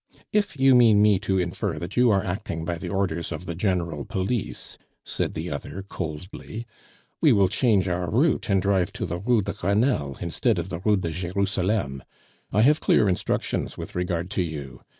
"If you mean me to infer that you are acting by the orders of the General Police," said the other coldly, "we will change our route, and drive to the Rue de Grenelle instead of the Rue de Jerusalem. I have clear instructions with regard to you.